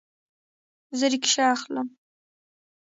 زه ریکشه اخلمه